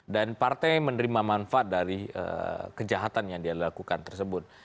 dan partai menerima manfaat dari kejahatan yang dia lakukan tersebut